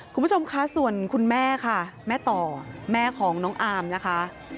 คุณผู้ชมคะส่วนคุณแม่ค่ะแม่ต่อแม่ของน้องอามนะคะ